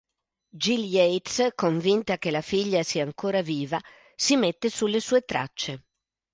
Jill Yates, convinta che la figlia sia ancora viva, si mette sulle sue tracce.